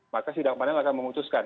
maka sidang panel akan memutuskan